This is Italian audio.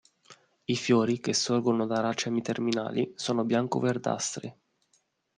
I fiori, che sorgono da racemi terminali, sono bianco-verdastri.